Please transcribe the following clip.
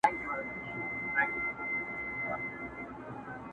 ٫پر مزار به یې رپېږي جنډۍ ورو ورو٫